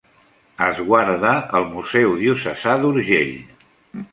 Es guarda al Museu Diocesà d'Urgell.